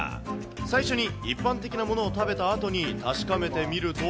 最初に、一般的なものを食べたあとに、確かめてみると。